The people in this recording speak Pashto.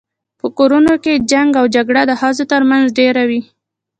په کورونو کي جنګ او جګړه د ښځو تر منځ ډیره وي